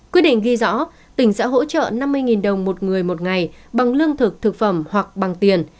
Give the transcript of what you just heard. quyết định ghi rõ tỉnh sẽ hỗ trợ năm mươi đồng một người một ngày bằng lương thực thực phẩm hoặc bằng tiền